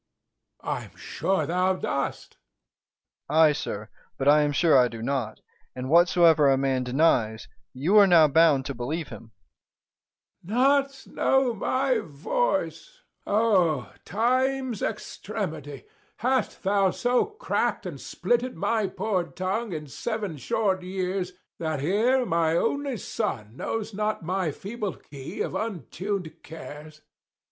Æge. I am sure thou dost. Dro. E. Ay, sir, but I am sure I do not; and whatsoever a man denies, you are now bound to believe him. 305 Æge. Not know my voice! O time's extremity, Hast thou so crack'd and splitted my poor tongue In seven short years, that here my only son Knows not my feeble key of untuned cares?